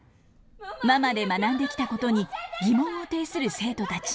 ＭＡＭＡで学んできたことに疑問を呈する生徒たち。